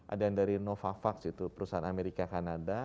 ada yang dari novavax itu perusahaan amerika kanada